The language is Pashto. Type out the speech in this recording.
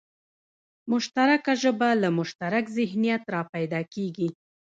مشترکه ژبه له مشترک ذهنیت راپیدا کېږي